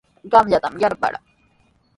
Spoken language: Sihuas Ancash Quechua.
Qamllatami yarparaa.